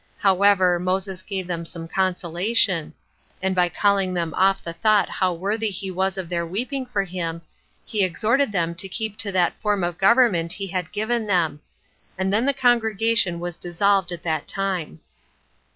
However, Moses gave them some consolation; and by calling them off the thought how worthy he was of their weeping for him, he exhorted them to keep to that form of government he had given them; and then the congregation was dissolved at that time.